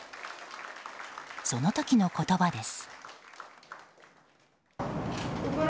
その時の言葉です。